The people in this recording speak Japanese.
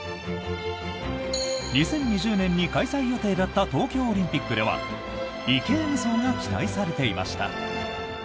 ２０２０年に開催予定だった東京オリンピックでは池江無双が期待されていました。